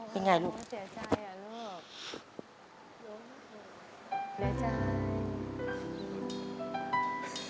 เป็นไงลูก